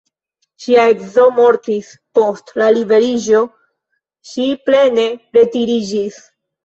Ŝia edzo mortis, post la liberiĝo ŝi plene retiriĝis.